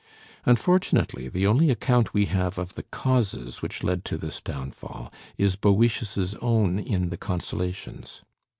Unfortunately, the only account we have of the causes which led to this downfall is Boëtius's own in the 'Consolations.'